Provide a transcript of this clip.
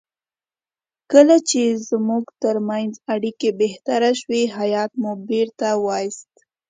کله چې زموږ ترمنځ اړیکې بهتر شوې هیات مو بیرته وایست.